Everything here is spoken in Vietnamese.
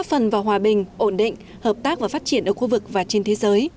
phát triển ở khu vực và trên thế giới